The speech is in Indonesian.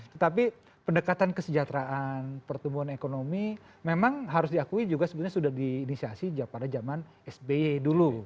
tetapi pendekatan kesejahteraan pertumbuhan ekonomi memang harus diakui juga sebenarnya sudah diinisiasi pada zaman sby dulu